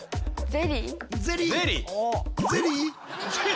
ゼリー！